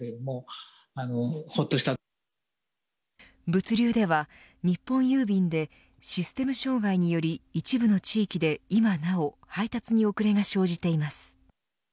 物流では日本郵便でシステム障害により一部の地域でいまなお配達に遅れが生じています。